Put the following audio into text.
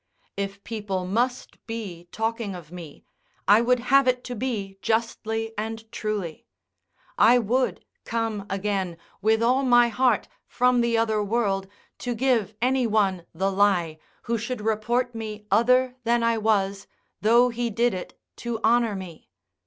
If people must be talking of me, I would have it to be justly and truly; I would come again, with all my heart, from the other world to give any one the lie who should report me other than I was, though he did it to honour me.